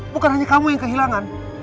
bukan hanya kamu yang kehilangan